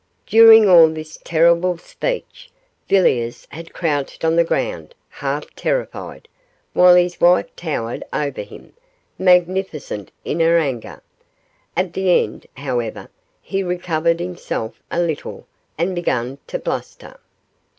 During all this terrible speech, Villiers had crouched on the ground, half terrified, while his wife towered over him, magnificent in her anger. At the end, however, he recovered himself a little, and began to bluster.